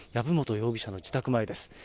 容疑者の自宅前です。